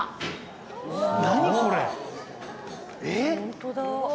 えっ？